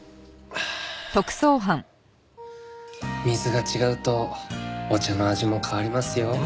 水が違うとお茶の味も変わりますよ。